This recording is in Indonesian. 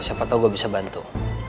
siapa tahu gue bisa bantu